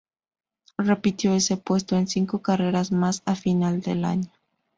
Repitió ese puesto en cinco carreras más a final de año.